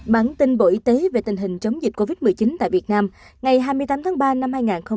bản tin bộ y tế về tình hình chống dịch covid một mươi chín tại việt nam ngày hai mươi tám tháng ba năm hai nghìn hai mươi